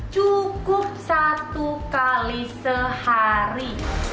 cukup satu kali sehari